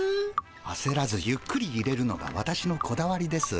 あせらずゆっくりいれるのが私のこだわりです。